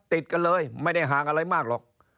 ติดกันเลยไม่ได้ห่างอะไรมากหรอก